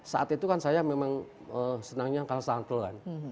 saat itu kan saya memang senangnya kalau sampel kan